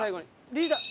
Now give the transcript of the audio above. リーダー。